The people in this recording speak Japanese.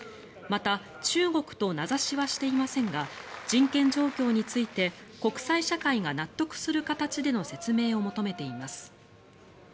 また、中国と名指しはしていませんが人権状況について国際社会が納得する形での説明を求めています。